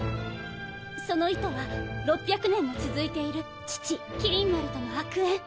その糸は６００年も続いている父麒麟丸との悪縁。